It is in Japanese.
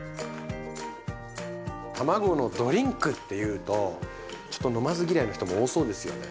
たまごのドリンクっていうとちょっと飲まず嫌いの人も多そうですよね。